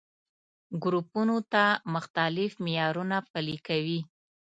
ګروپونو ته مختلف معيارونه پلي کوي.